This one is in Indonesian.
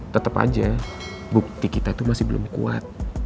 tetep aja bukti kita tuh masih belum kuat